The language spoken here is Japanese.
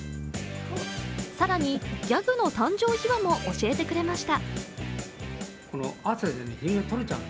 更に、ギャグの誕生秘話も教えてくれました。